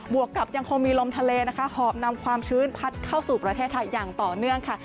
วกกับยังคงมีลมทะเลนะคะหอบนำความชื้นพัดเข้าสู่ประเทศไทยอย่างต่อเนื่องค่ะ